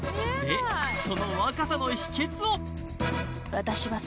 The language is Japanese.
その若さの秘訣を！